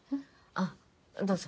あっどうぞ。